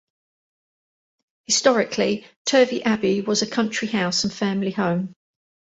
Historically, Turvey Abbey was a country house and family home.